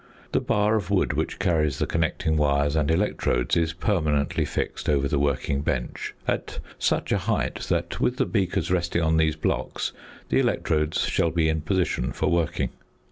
The bar of wood which carries the connecting wires and electrodes is permanently fixed over the working bench, at such a height that, with the beakers resting on these blocks, the electrodes shall be in position for working.